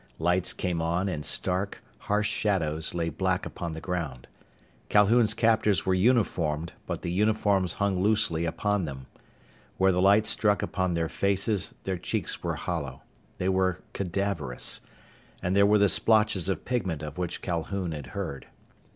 Lights came on, and stark, harsh shadows lay black upon the ground. Calhoun's captors were uniformed, but the uniforms hung loosely upon them. Where the lights struck upon their faces, their cheeks were hollow. They were cadaverous. And there were the splotches of pigment of which Calhoun had heard.